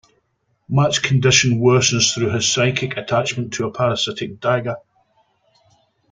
Mat's condition worsens through his psychic attachment to a parasitic dagger.